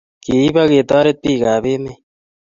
keip aiketaret pik ap emet